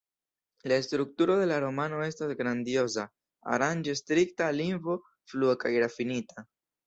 La strukturo de la romano estas grandioza, aranĝo strikta, lingvo flua kaj rafinita.